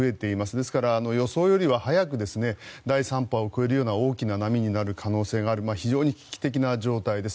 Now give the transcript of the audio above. ですから予想より早く第３波を超えるような大きな波になる可能性がある非常に危機的な状態です。